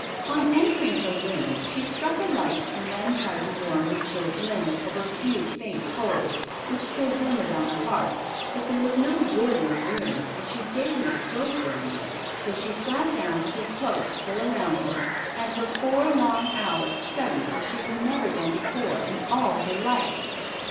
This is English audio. On entering her room she struck a light and then tried to warm her chilled limbs over a few faint coals which still glimmered on the hearth; but there was no wood in the room and she dared not go for any, so she sat down with her cloak still around her, and for four long hours studied as she had never done before in all her life.